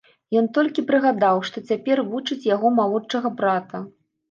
Ён толькі прыгадаў, што цяпер вучыць яго малодшага брата.